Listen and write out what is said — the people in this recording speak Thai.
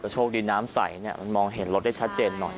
โชคดีน้ำใสมันมองเห็นรถได้ชัดเจนหน่อย